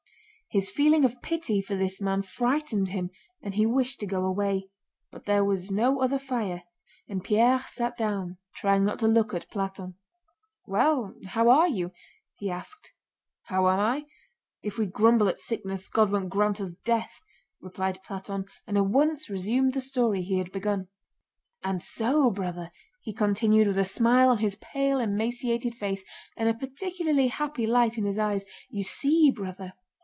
His feeling of pity for this man frightened him and he wished to go away, but there was no other fire, and Pierre sat down, trying not to look at Platón. "Well, how are you?" he asked. "How am I? If we grumble at sickness, God won't grant us death," replied Platón, and at once resumed the story he had begun. "And so, brother," he continued, with a smile on his pale emaciated face and a particularly happy light in his eyes, "you see, brother..."